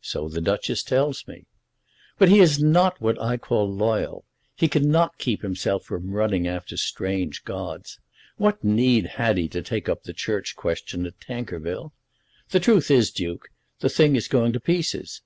"So the Duchess tells me." "But he is not what I call loyal. He cannot keep himself from running after strange gods. What need had he to take up the Church question at Tankerville? The truth is, Duke, the thing is going to pieces.